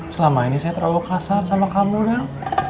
selama ini saya terlalu kasar sama kamu dong